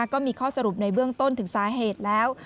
ก็มีข้อสรุปในเบื้องต้นถึงสาเหตุแล้ว